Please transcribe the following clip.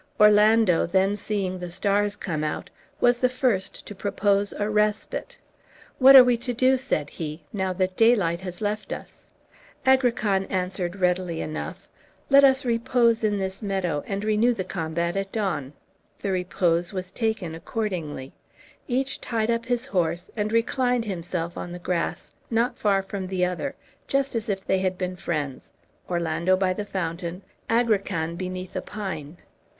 Orlando then seeing the stars come out was the first to propose a respite. "What are we to do," said he, "now that daylight has left us?" Agrican answered readily enough, "Let us repose in this meadow, and renew the combat at dawn." The repose was taken accordingly. Each tied up his horse, and reclined himself on the grass, not far from the other, just as if they had been friends, Orlando by the fountain, Agrican beneath a pine.